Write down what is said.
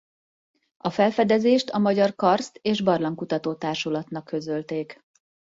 A felfedezést a Magyar Karszt- és Barlangkutató Társulatnak közölték.